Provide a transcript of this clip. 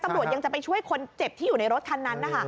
ตำรวจยังจะไปช่วยคนเจ็บที่อยู่ในรถคันนั้นนะคะ